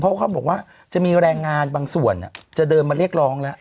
เขาบอกว่าจะมีแรงงานบางส่วนจะเดินมาเรียกร้องแล้ว